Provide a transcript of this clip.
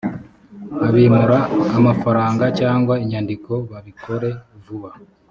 abimura amafaranga cyangwa inyandiko babikore vuba